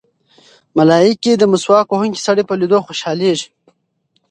ملایکې د مسواک وهونکي سړي په لیدو خوښېږي.